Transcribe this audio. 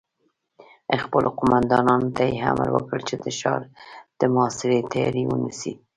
خپلو قوماندانانو ته يې امر وکړ چې د ښار د محاصرې تياری ونيسي.